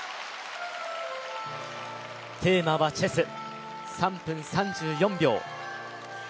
テーマはチェス、３分３４秒。